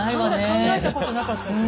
考えたことなかった。